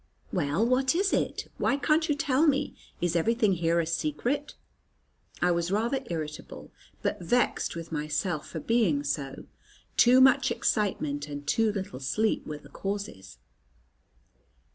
"Well, what is it? Why can't you tell me? Is everything here a secret?" I was rather irritable, but vexed with myself for being so. Too much excitement and too little sleep were the causes.